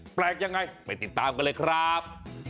แปลกยังไงไปติดตามกันเลยครับ